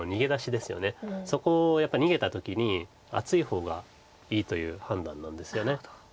そこをやっぱり逃げた時に厚い方がいいという判断なんですよね。